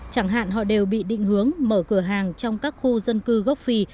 chẳng hạn họ đều bị định hướng mở cửa hàng trong các khu dân cư gốc phi